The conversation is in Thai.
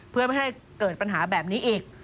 เพื่อไม่ให้เกิดปัญหาแบบนี้อีก